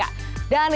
dan itu berikutnya